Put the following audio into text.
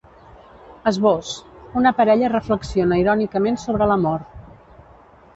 Esbós: Una parella reflexiona irònicament sobre l’amor.